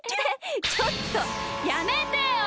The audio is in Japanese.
ちょっとやめてよ！